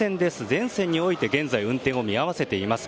全線において現在、運転を見合わせております。